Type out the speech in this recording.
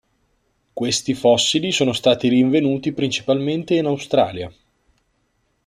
Questi fossili sono stati rinvenuti principalmente in Australia.